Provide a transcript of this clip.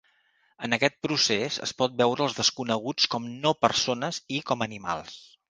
En aquest procés, es pot veure als desconeguts com "no persones" i com animals.